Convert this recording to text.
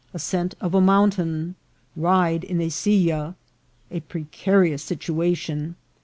— Ascent of a Mountain.— Ride in a Silla.— A precarious Situa tion.